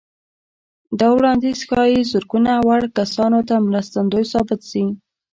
دا وړانديز ښايي زرګونه وړ کسانو ته مرستندوی ثابت شي.